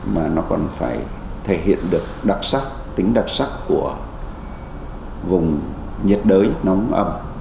mà nó còn phải thể hiện được đặc sắc tính đặc sắc của vùng nhiệt đới nóng ẩm